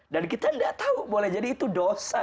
dan kita tidak tahu boleh jadi itu dosa